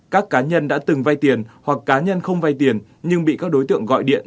các cá nhân đã từng vay tiền hoặc cá nhân không vay tiền nhưng bị các đối tượng gọi điện